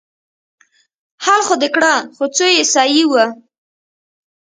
حل خو دې کړه خو څو يې صيي وه.